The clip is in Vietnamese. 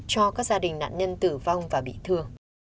cho các gia đình nạn nhân tử vong và bị thương